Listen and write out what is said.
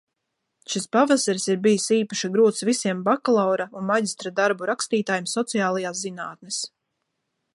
Šis pavasaris ir bijis īpaši grūts visiem bakalaura un maģistra darbu rakstītājiem sociālajās zinātnes.